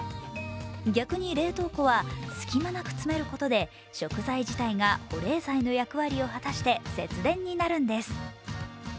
逆に冷凍庫は隙間なく詰めることで食材自体が保冷剤の役割を果たして節電になるんです。